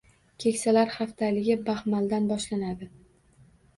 “Keksalar haftaligi” Baxmaldan boshlandi